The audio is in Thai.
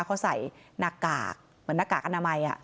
เขาใส่หน้ากากแบบหน้ากากอาณามัย